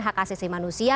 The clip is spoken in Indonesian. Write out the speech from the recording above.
hak asasi manusia